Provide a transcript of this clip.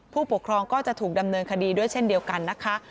ผู้ปกครองก็จะถูกดำเนินคดีด้วยเช่นเดียวกันนะคะ